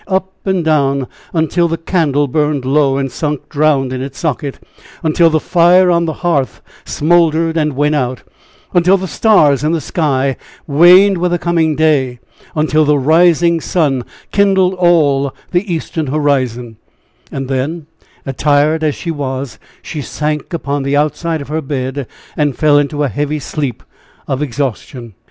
Up and down, until the candle burned low, and sunk drowned in its socket; until the fire on the hearth smouldered and went out; until the stars in the sky waned with the coming day; until the rising sun kindled all the eastern horizon; and then, attired as she was, she sank upon the outside of her bed and fell into a heavy sleep of exhaustion.